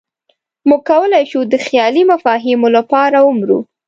موږ کولی شو د خیالي مفاهیمو لپاره ومرو.